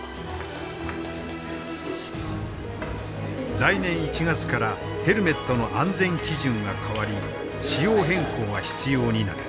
来年１月からヘルメットの安全基準が変わり仕様変更が必要になった。